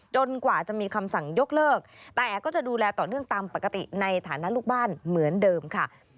กว่าจะมีคำสั่งยกเลิกแต่ก็จะดูแลต่อเนื่องตามปกติในฐานะลูกบ้านเหมือนเดิมค่ะ